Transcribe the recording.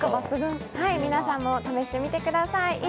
皆さんも試してみてください。